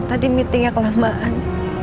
tadi meetingnya kelamaan